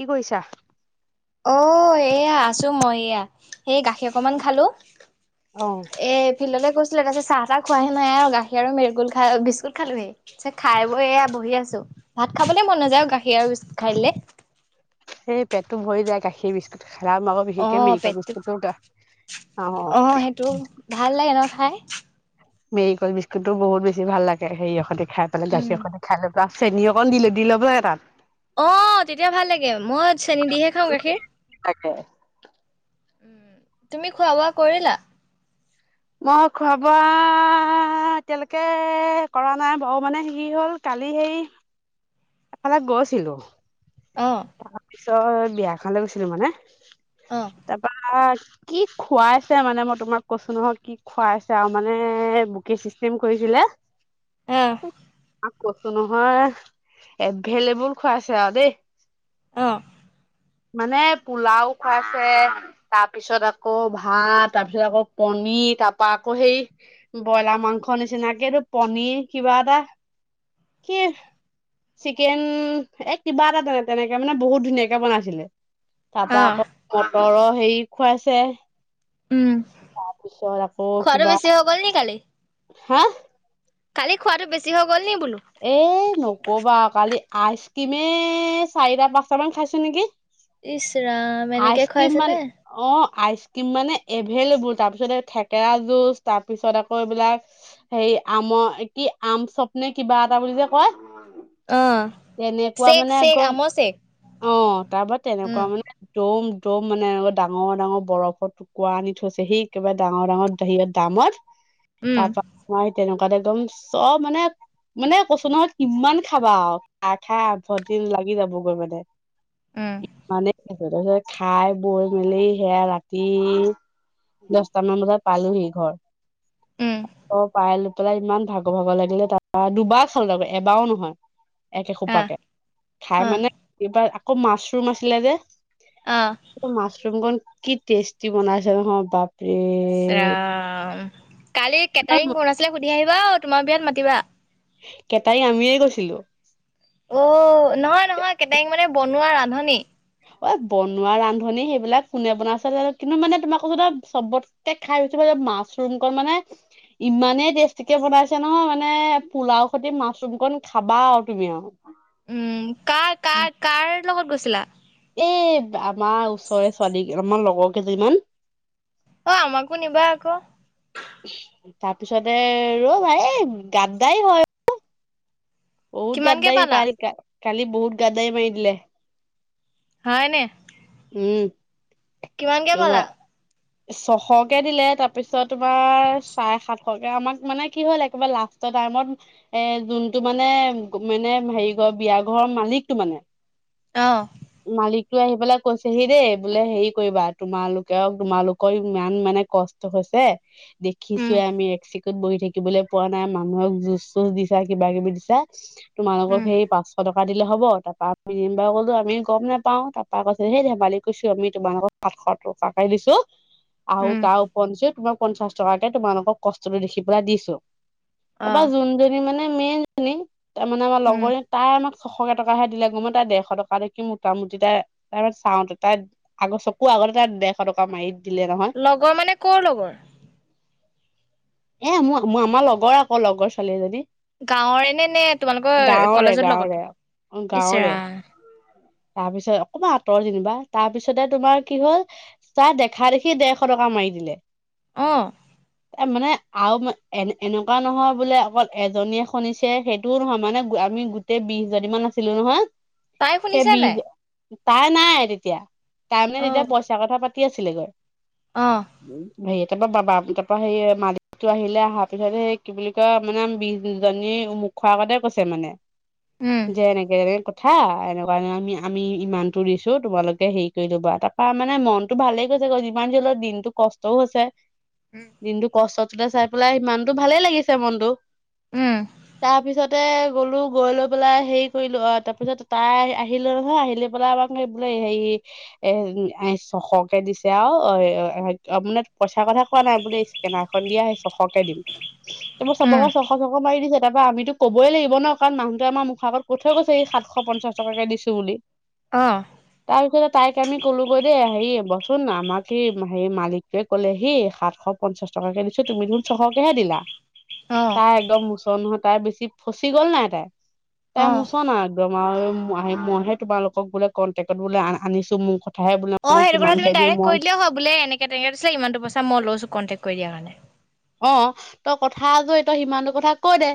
কি কৰিছা? অ এয়া আছো মই এয়া, সেই গাখীৰ অকমান খালো। অ। এই ফিল্ডলৈ কৈছিলো তাৰপিছ চাহ-তাহ খোৱাহে নাই আৰু গাখীৰ আৰু মেগুল খাই বিস্কুট খালোহি। খাই-বোই এয়া বহি আছো, ভাত খাবলে নাযায় গাখীৰ আৰু বিস্কুট খাই দিলে। সেই পেটটো ভৰি যায় গাখীৰ বিস্কুটত অ পেটটো খালা [unintelligible] অ। ভাল লাগে ন খাই? মেৰিগোল বিস্কুতটো বহুতে বেছি ভাল লাগে সেৰি সঁতে খাই পেলাই উম গাখীৰ সতে। [unintelligible] চেনী অকণ দিলো দি ল'ব লাগে তাত অ তেতিয়া ভাল লাগে মই চেনী দিহে খাওঁ গাখীৰ তাকে তুমি খোৱা বোৱা কৰিলা মই খোৱা বোৱা এতিয়ালৈকে কৰা নাই বাও মানে সি হ'ল কালি হেৰি এফালে গৈছিলো অ তাৰপিছত বিয়া এখনে গৈছিলো মানে অ তাৰপা কি খুৱাইছে মানে মই তোমাক কৈছো নহয় কি খুৱাইছে আও মানে বুকে চিষ্টেম কৰিছিলে অহ কৈছো নহয় এভেইলেবোল খুৱাইছে আও দেই অহ মানে পোলাও খুৱাইছে তাৰ পিছত আকৌ ভাত তাৰ পিছত আকৌ পনিৰ তাপা আকৌ সেই ব্ৰইলাৰ মাংস নিচিনাকে এটো পনিৰ কিবা এটা কি চিকেন এক কিবা এটা [unintelligible] তেনেকে মানে বহুত ধুনীয়াকে বনাইছিলে তাৰ পৰা আহ আকৌ মটৰৰ হেৰি খুৱাইছে উম তাৰপিছত আকৌ খুৱাটো কিবা বেছি হৈ গল নেকি কালি হা কালি খোৱাটো বেছি হৈ গ'ল নি বোলো এ নকবা কালি আইচ ক্ৰিমে চাৰিটা পাঁচটা মান খাইছো নেকি ইচ ৰাম এনেকে আইচক্ৰীম খুৱাইছে মান নে অ আইচক্ৰীম মানে এভেইলেবোল তাৰপিছতে থেকেৰা জুচ তাৰপিছত আকৌ এইবিলাক সেই আমৰ কি আম চপ নে কিবা এটা বুলি যে কয় অ', তেনেকুৱা চেক মানে চেক আকৌ আমৰ চেক অ তাৰ পৰা উম, তেনেকুৱা মানে দম দম মানে এনেকা ডাঙৰ ডাঙৰ বৰফত টুকুৰা আনি থৈছে সেই একেবাৰে ডাঙৰ ডাঙৰ হেৰিয়ত ড্ৰামত উম, তাপা মই তেনেকুৱাতে একদম চব মানে মানে কৈছো নহয় কিমান খাবা আও আশা আভৰদিন লাগি যাবগৈ মানে উম, ইমানেই আছে তাৰপিছত খাই বৈ মেলি সেয়া ৰাতি দহটামান বজাত পালোহি ঘৰ উম, অ পাই লৈ পেলাই ইমান ভাগ ভাগৰ ভাগৰ লাগিলে তাত অ দুবাৰ খালো তাকৌ এবাৰও নহয় একে আহ, সোপাকে খাই অ', মানে এইবাৰ আকৌ মাচৰুম আছিলে যে অ মাছৰুম কন কি টেষ্টি বনাইছে নহয় বাপ ইচ ৰাম কালি কেটাৰিং কোন আছিলে সুধি আহিবা তোমাৰ বিয়াত মাতিবা কেটাৰিং আমিয়ে গৈছিলো অ নহয় নহয় কেটাৰিং মানে বনোৱা ৰান্ধনী অ', বনোৱা ৰান্ধনী সেইবিলাক কোনে বনাইছে [unintelligible] কিন্তু মানে তোমাক কৈছোঁ নহয় চবত কে খাই বেছি ভাল লাগিছে মাছৰুম কৰ মানে ইমানেই টেষ্টিকে বনাইছে নহয় মানে পোলাও খৈতি মাছৰুম কন খাবা আও তুমি আও। উম কাৰ কাৰ কাৰ লগত গৈছিলা। এ আমাৰ ওচৰে ছোৱালী আমাৰ লগৰ কেইজনীমান। ঐ আমাকো নিবা আক। তাৰপিছতে, ৰ'বা এ, গাদ্দাৰি হয়। বহুত কিমানকে গাদ্দাৰি, পালা? কালি-কালি বহুত গাদ্দাৰি মাৰি দিলে। হয়নে? উম, [unintelligible] কিমানকে পালা? ছশকে দিলে। তাৰপিছত তোমাৰ, চাৰে সাতশকে, আমাক মানে কি হ'ল, একেবাৰে লাষ্টৰ টাইমত এ, যোনটো মানে, মানে সেৰি ঘৰ, বিয়া ঘৰৰ মালিকটো মানে। অ'! মালিকটো আহি পেলে কৈছেহি দেই। বোলে, সেৰি কৰিবা, তোমালোকেও, তোমালোকৰ ইমান মানে, কষ্ট হৈছে, উম, দেখিছোঁৱে আমি, এক চিকুট বহি থাকিবলৈ পোৱা নাই, মানুহক জুঁজ-চুঁজ দিছা, কিবা-কিবি দিছা। তোমালোকক উম, সেই, পাঁচশ টকা দিলে হ'ব। তাৰপা, [unintelligible] ক'লো, আমি গম নেপাওঁ। তাৰপা কৈ হেই ধেমালি কৰিছোঁ, আমি তোমালোকক, সাতশ টকাকে দিছোঁ। আৰু উম, তাৰ ওপৰঞ্চি, তোমাক পঞ্চাছ টকাকে তোমালোকক কষ্টটো দেখি পেলাই দিছোঁ। তাৰপৰা, অ', যোনজনী মানে, মেইন জনী, তাৰমানে, আমাৰ উম। লগৰে। তাই আমাক ছশ কেটকাহে দিলে। গ'ম তাই, ডেৰশ টকাকে মোটামুটি তাই তাৰপা, চাওঁতে, তাই, আগ, চকু আগতে তাই ডেৰশ টকা মাৰি দিলে নহয় লগৰ মানে, ক'ৰ লগৰ? এ, মোৰ, আমাৰ লগৰ আকৌ, লগৰ ছোৱালীজনী। গাঁৱৰে নে, নে-নে, তোমালোকৰ কলেজৰ গাঁৱৰে লগত? ইচ গাঁৱৰে ৰা তাৰপিছত অকমান আঁতৰ যেনিবা। তাৰপিছতে, তোমাৰ কি হ'ল! চাঁ, দেখা-দেখি ডেৰশ টকা মাৰি দিলে। অ'! এ, মানে, আৰু এন, এনেকুৱা নহয় বোলে, অকল এজনীয়ে শুনিছে, সেইটোও নহয়। মানে, আমি গু এ, বিশজনীমান আছিলোঁ, নহয়। তাই সেই শুনিছে বিশ, নাই? তাই নাই তেতিয়া। তাই মানে, তেতিয়া অ', পইচা কথা পাতি আছিলেগৈ। অ'! সেৰি, তাৰপৰা বাবা, তাৰপৰা সেই, মালিকটো আহিলে, অহাৰ পিছত সেই, কি বুলি [unintelligible] মানে, বিশ জনীৰ মুখ আগতে, কৈছে মানে। উম, যে এনেকে-এনেকে কথা।, এনেও। সেইটোকাৰণে আমি, আমি ইমানটো দিছোঁ। তোমালোকে সেৰি কৰি ল'বা। তাৰপা মানে, মনতো ভালেই গৈছে ক'! যিমান যি হ'লেও দিনটো কষ্টও হৈছে! উম, দিনটো কষ্টটোলে চাই-পেলাই, সিমানটো, ভালেই লাগিছে মনটো। উম, তাৰ পিছতে‌ গ'লো। গৈ লৈ পেলাই সেৰি কৰিলোঁ আৰু। তাৰপিছত, তাই আহিলে নহয, আহি লৈ পেলাই, আমাক বোলে সেৰি এ, এ, ছশকে দিছে আৰু। [unintelligible] পইচাৰ কথা কোৱা নাই, বোলে। স্কেনাৰখন দিয়া, ছশকে দিম। সেইবোৰ, চবকে ছশ- ছশ মাৰি দিছে। তাৰপৰা, আমিতো ক'বই লাগিব ন'! কাৰণ, মানুহটোৱে আমাৰ মুখ আগত কৈ থৈ গৈছে, এই সাতশ পঞ্চাশ টকাকে দিছোঁ বুলি। অ'! তাৰপিছতে, তাইক আমি ক'লোগৈ দেই। সেৰি, বহচোন। আমাক কি, সেৰি মালিক টোৱে ক'লেহি, সাতশ পঞ্চাশ টকাাকে দিছোঁ। তুমি [unintelligible] ছশকেহে দিলা। অ', তাই একদম মোচন নহয়। তাই বেছি, ফচি গ'ল নাই তাই! তাইৰ অ', মোচন আৰু। [unintelligible] মইহে-মইহে, তোমালোকক বোলে, কণ্টেক্টত বোলে, আনিছোঁ। [unintelligible] [unintelligible] বোলে, অ', মই সেইটো কথা কিমানকে তুমি দিওঁ ডাইৰেক্ট কৈ মই। দিলেই হয় বোলে, এনেকে-তেনেকে দিছিলে, ইমানটো পইচা মই লৈছোঁ, কন্টেক্ট কৰি দিয়াৰ কাৰণে। অ'! তই, কথা [unintelligible] তই সিমানটো কথা কৈ দে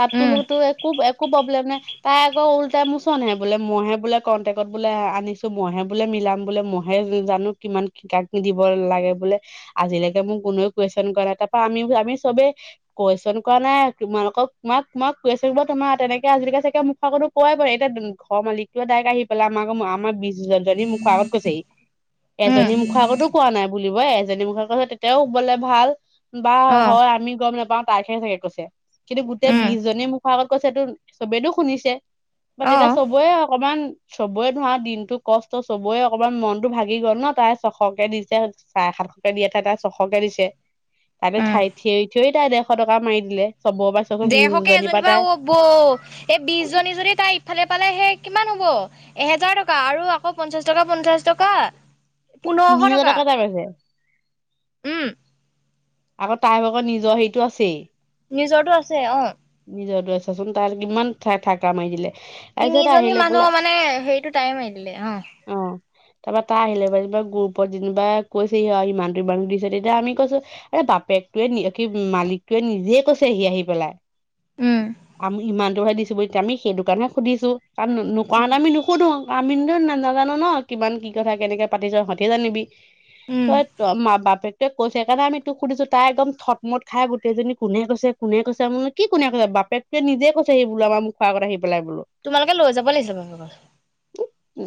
তাত উম, তোলগতো একো একো প্ৰব্লেম নাই। তাই আকৌ উলটাই মুচনহে বোলে মইহে বোলে কণ্টেক্টত বোলে আনিছো মইহে বোলে মিলাম বোলে মই সে জানো কিমান শিকা দিব লাগে বোলে আজিলৈকে মোক কোনুৱে কুৱেশ্যন কৰা এটা আমি আমি চবে কুৱেশচন কৰা নাই তোমালোকক তোমাক তোমাক কুৱেশ্যন তোমাৰ তেনেকে আজিলকে চাগে মুখাকতো কোৱাই পৰে এতিয়া ঘৰ মালিকটোোৱা ডাইক আহি পেলাই আমাককৌ আমাৰ বিশ দুজনী মোকখৰ আগত কৈছেহি উম, এজনী মুখ আগতো কোৱা নাই বুলিবই এজনী মুখ আাক তেতিয়াও শুবলে ভাল। বা অ', হয় আমি গম নাপাও তাকহেচাগে কৈছে কিন্তু গোটেই উম, বিশজনী মুখ আগত কৈছে। চবেইটো শুনিছে বা তেতিয়া অ', চবৰে অকমান চবৰে ধৰা দিনটো কষ্ট চবৰে অকমান মনতটো ভাগি গল ন তাই চখকে দিছে। চাৰে সাতশকে দিয়াহ তাত ছশকে দিছে। তাতে উম, ঠাই থিয় থিয়েই তাই ডেৰশ টকা মাৰি দিলে চবৰ পৰা চোৱাচোন বিশ ডেৰশকে জনীৰ এজনীৰ পৰা তাই অ বৌ এই বিশ জনী যদি তাই ইফালে পালে সেই কিমান হ'ব। এহেজাৰ টকা আৰু আকৌ পঞ্চাশ টকা পঞ্চাশ টকা তিনি পোন্ধৰখ হাজাৰ টকা এটা পাইছে উম আকৌ তাইৰ ভাগৰ নিজৰ হেৰিটো আছেই। নিজৰটো আছে অ' নিজৰ দৰেছচোন তাৰ কিমান [unintelligible] থাকা মাৰি দিলে। তাৰপিছত আহি তিনিজনী লৈ পেলাই মানুহ মানে হে ৰিটো টাই মাৰি দিলে অ' অ' তাৰ পৰাৰা তাৰ আহিলে যেনিবা গ্ৰুপত যেনিবা কৈছে সিহ ইমানটো ইমান দিছে তেতিয়া আমি কৈছো এ বাপেকটোৱে কি মালিকটোৱে নিজে কৈছেহি আহি আহি পেলাই। উম আমি ইমানটোহে দিছো বুলি এতিয়া আমি সেইটো কাৰণে সুধিছো কাৰণ নোকোৱা হলে আমি নুসোধো আমিনটো নাজানো ন কিমান কি কথা কেনেকে পাতিছ সতে জানিবি। উম। তই ত বাপেকটোৱ কৈছে সেইকাৰণে তোক সুধিছো তাই একদম থটমট খাই গোটেইজনী কোনে কৈছে। কোনে কৈছে বো কি কোনে কৈ বাপেকটোৱে নিজে কৈছে হি বুলো আমাৰ মুখৰ আগত আহিপেলাই বুলো তোমালোকে লৈ যাব লাগিছে [unintelligible] উ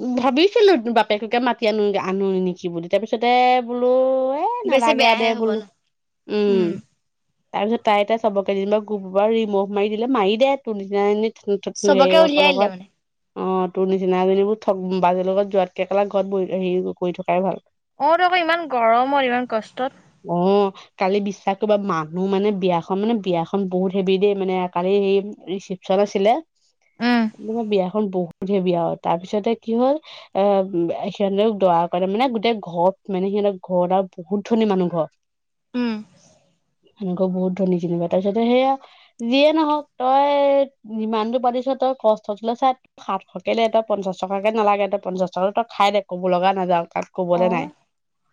উম ভাবিছিলো বাপেককে মাতি আনোগে আনো নেকি বুলি তাৰ পিছতে বোলো এই বেছি নালাগে আৰু দে বেয়াহে হ'ব বোলো ন উম তাৰপিছত তাই এটা চবকে যেনিবা গ্ৰুপৰ পৰা ৰিমোভ মাৰি দিলে মাৰি দে তোৰ নিচিনা এজনী চবকে [unintelligible] উলিয়াই দিলে লগত মানে অ' তোৰ নিচিনা এজনী বুলো থক বাজৰ লগত যোৱাতকে কেলা ঘৰত বহি হেৰি কৰি থকাই ভাল অ'তো আকৌ ইমান গৰমৰ ইমান কষ্টত। অ' কালি বিশ্বাস কৰিবা মানুহ মানে বিয়াখন মানে বিয়াখন খন বহুত হেভি দেই মানে কালি হেই ৰিচিপচন আছিলে বিয়া খন বহুত হেভী আও তাৰ পিছতে কি হ'ল। অ' সিহঁতক দৰা কৰে মানে গোটেই ঘত মানে সিহঁতৰ ঘত আৰু বহুত ধনী মানুহ ঘৰ উম [unintelligible] বহত ধনী জিনিবা তাৰ পিচতে সেয়া যিয়ে নহওক তই যিমান দূৰ পাতিছ তই কষ্টতোলে চাই সাতশ কে দে তই পঞ্চাশ টকাকে নালাগে পঞ্চাশ টকাটো তই খাই দে ক'ব লগা নাযাওঁ। তাক অ ক'বলে নাই।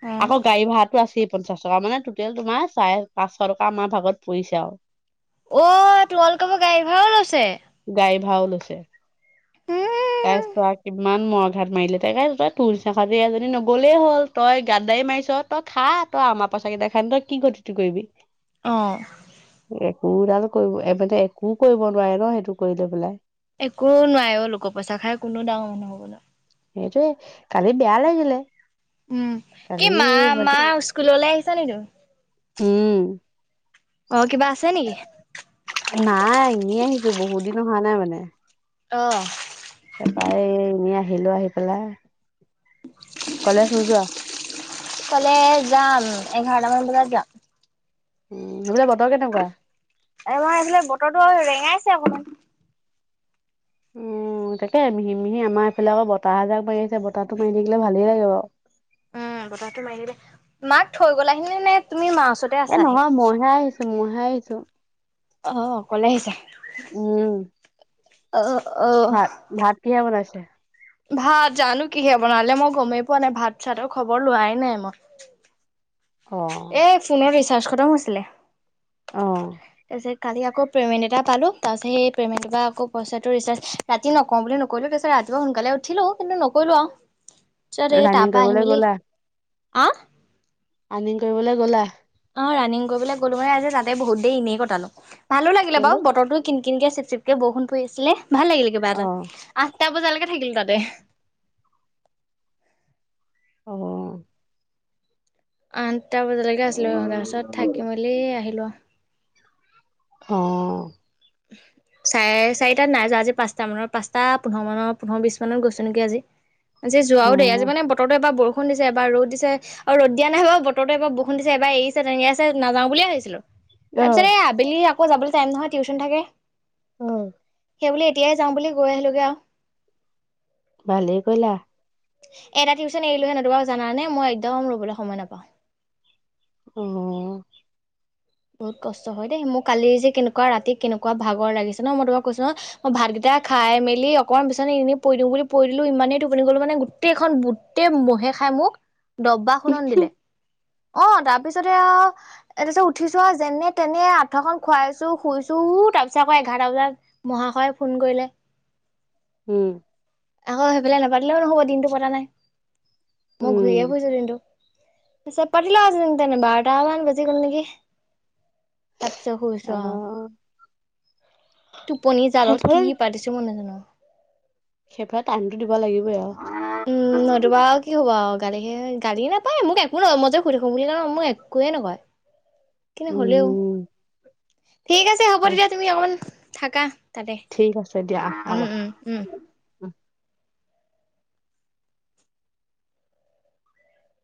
অ আকৌ গাড়ী ভড়াটো আছে পঞ্চাচ টকা, মানে টোটেল তোমাৰ চাৰে পাঁচশ টকা আমাৰ ভাগত পৰি চে আও অ' তোমালোক পা গাড়ী ভাড়াও লৈছে? গাড়ী ভাড়াও লৈছে তাৰছত আ কি ইমান মৰ ঘাট মাৰিলে তাকে তই তোৰ চাখাতি এজনী নগ'লেই হ'ল তই গাতদাই মাৰিছ তই খা তই আমাৰ পইচাক কেইটা খাই নো তই কি ঘতিটো কৰিবি? অঁ একোডাল কৰিব এ মানে একো কৰিব নোৱাৰে ন' সেইটো কৰি লৈ পেলাই একো নোৱাই অ' লোক পইচা খাই কোনো ডাঙৰ মানুহ হ'ব নোৱাই সেইটোয়ে কালি বেয়া লাগিলে। উম কি কালি মা মা মানে স্কুললে আহিছা নিকি? উম অঁ কিবা আছে নেকি? নাই এনেই আহিছো বহুত দিন অহা নাই মানে অঁ তাপা এনেই আহিলো আহি পেলাই কলেজ নোযোৱা? কলেজ যাম। এঘাৰটা মান বজাত যাম। উম সেইফালে বতৰ কেনেকুৱা? আমাৰ এইফালে বতৰো ৰেঙাইছে অকমান। উ তাকে মিহি মিহি আমাৰ এইফালে আ বতাহা এজাক মাৰি আছে, বতাহটো মাৰি থাকিলে ভালেই লাগে বাও। উম বতাহটো মাৰি থাকিলে মাক থৈ গলাহি নে তুমি মাৰ ওচৰত এ নহয় মইহে আহিছো মইহে আহিছো অ' অকলে আহিছা উম অঁ অঁ ভাত ভাত কিহে বনাইছে? ভাত জানো কিহে বনালে, মই গ'মেই পোৱা নাই ভাত চাতৰ খবৰ লোৱাই নাই মই। অ'। এ ফোনৰ ৰিচাৰ্জ খতম হৈছিলে। অঁ। ছ কালি আক পে'মেণ্ট এটা পালো তাৰপিছ সেই পে'মেণ্ট এটা আকৌ পইচছটো ৰিচাৰ্জ ৰাতি নকওঁ বুলি নক কৰিলো পছে ৰাতিপুৱা সোনকালে উঠিলো, কিন্তু নকৰিলো আও। ৰাণিং কৰিবলে গ'লা? আঁ ৰানিং কৰিবলে গ'লা? অঁ ৰাণিং কৰিবলে গ'লো মানে আজি তাতে বহুত দেৰি এনেই কটালো ভালো লাগিলে কেলে? বাৰু বতৰটো কিন কিনকে চিপ চিপকে বৰষুণ ফুৰি আছিলে ভাল লাগিল কিবা এটা, অ'। আঠটা বজালৈকে থাকিলো তাতে। অঁ আঠটা বজালেকে আছিলোঁ, তাৰ পাছত থাকি মেলি আহিলো আ অঁ চাৰে চাৰিটাত নাই যোৱা আজি পাঁচটা মান পচটা পোন্ধৰ মানৰ পোন্ধৰ বিশছ মানত গৈছো নেকি আজি যে অ' যোৱাও দেই, আজি মানে প বতৰো এবাৰ বৰষুণ দিছে এবাৰ ৰ'দ দিছে, অ' ৰ'দ দিয়া নাই বাও বতৰ এবাৰ বৰষুণ দিছে এবাৰ এই তেনেকে আছে নাযাও বুলে ভাবিছিলো, তাৰ অ'। পিছত এই আবেলি আকৌ যাবলৈ টাইম নহয় টিউশন থাকে। অ' সেইবুলি এতিয়াই যাম বুলি গৈ আহিলোঁগে আও ভালেই কৰিলা এটা টিউচন এৰিলো হলে, তুমাক জানা নে মই একদম ৰবলৈ সময় নাপাওঁ। এনে বহুত কষ্ট হয় দেই, মোক কালি যে কেনেকুৱা ৰাতি কেনেকুৱা ভাগৰ লাগিছে নহ মই তোমাক কৈছো নহ মই ভাতকিটা খাই মেলি অকণমান বিছনা এনে পৰি দিওঁ বুলি পৰি দিলো, ইমানে টোপনি গলো মানে গোটেখন বুট গোটে মহে খাই মোক, দবা খুনন দিলে, অহ তাৰপিছতে আৰু তাৰ পিছত উঠিছো আৰু যেনে তেনে আঠুৱা খন খুৱাইছো, শুইছো তাৰপিছত আকৌ এঘাৰটা বজাত মহাশয়ে ফোন কৰিলে। উম। আকৌ সেইফালে নাপতিলেও নহব, দিনটো পতা নাই, মই ঘূৰিয়ে উম। ফুৰিছো দিনটো। পিছে পাতিলা আৰু যেনে তেনে, বাৰটা মান বাজি গল নেকি তাৰ পিছত শুইছো আৰু, অ', টোপনি জালত কি সেইফালে পাতিছো মই নাজানো। সিফালে টাইমটো দিব লাগিবই আৰু নহ সেতু বাৰু কি হ'ব আৰু গালিহে গালি নাপায়ে মোক একো নকয়, মইযে শুই থাকে বুলিযে অ', মোক একোৱে নকয়। [inaudible] কিন্তু হলেও, উম ঠিক আছে হ'ব তেতিয়া তুমি অকণ থাকা। তাতে, ঠিক আছে দিয়া উম হ'ব। উম উম।